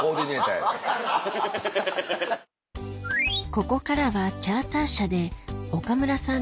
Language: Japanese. ここからはチャーター車で岡村さん